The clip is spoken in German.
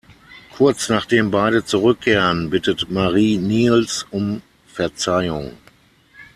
Kurz nachdem beide zurückkehren, bittet Marie Niels um Verzeihung.